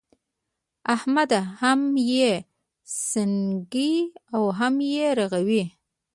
احمده! هم يې سڼکې او هم يې رغوې.